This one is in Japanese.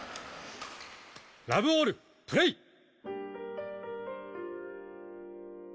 ラブオールプレー。